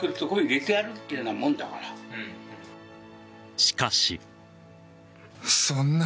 しかし。